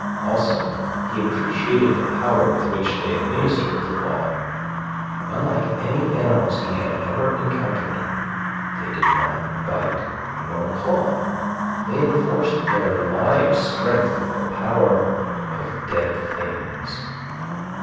Also, he appreciated the power with which they administered the law. Unlike any animals he had ever encountered, they did not bite nor claw. They enforced their live strength with the power of dead things.